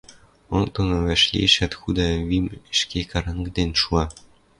онг доно вӓшлиэшӓт, худа вим ӹшке карангден шуа.